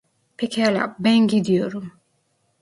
Pekâlâ, ben gidiyorum.